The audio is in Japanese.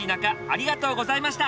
ありがとうございます。